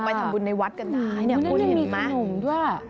ไปทำบุญในวัดกันได้เนี้ยคุณเห็นไหมมันนั้นยังมีขนมด้วย